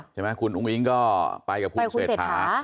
ใช่ไหมคุณอุ้งอิงก็ไปกับพุทธเศรษฐาไปกับคุณเศรษฐา